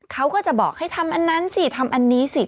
เขาก็จะบอกให้ทำอันนั้นสิทำอันนี้สิ